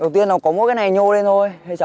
đầu tiên là có mỗi cái này nhô lên thôi